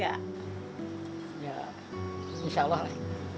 ya insya allah lah